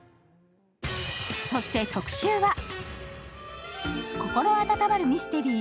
そして特集は心温まるミステリー。